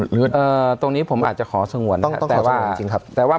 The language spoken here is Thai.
หรือเอ่อตรงนี้ผมอาจจะขอสงวนต้องต้องขอสงวนจริงครับแต่ว่า